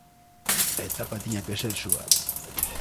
A etapa tiña que ser súa.